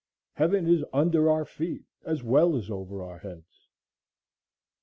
Heaven is under our feet as well as over our heads.